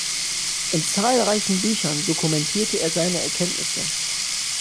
In zahlreichen Büchern dokumentierte er seine Erkenntnisse.